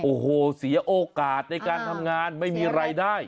โอ้โหเสียโอกาสในการทำงานไม่มีรายได้